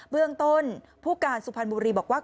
เรื่องต้นผู้การสุพรรณบุรีบอกว่า